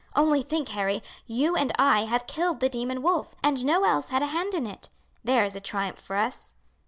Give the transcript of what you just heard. "Only think, Harry, you and I have killed the demon wolf, and no else had a hand in it. There is a triumph for us."